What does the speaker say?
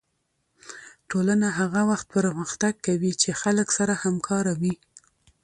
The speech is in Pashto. ټولنه هغه وخت پرمختګ کوي چې خلک سره همکاره وي